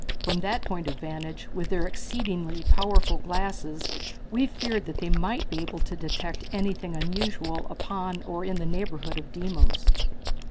From that point of vantage, with their exceedingly powerful glasses, we feared that they might be able to detect anything unusual upon or in the neighborhood of Deimos.